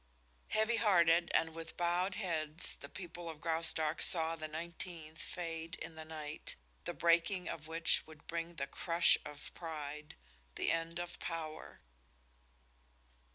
Heavy hearted and with bowed heads the people of Graustark saw the nineteenth fade in the night, the breaking of which would bring the crush of pride, the end of power.